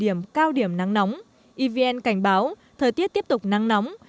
điểm cao điểm nắng nóng evn cảnh báo thời tiết tiếp tục nắng nóng